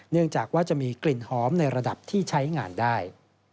เนื่องจากว่าจะมีกลิ่นหอมในระดับที่ใช้งานได้